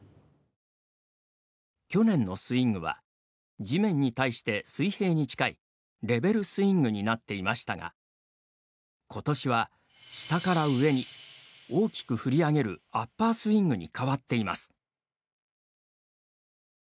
去年のスイングは地面に対して水平に近いレベルスイングになっていましたがことしは下から上に大きく振り上げるアッパースイングに変わっています。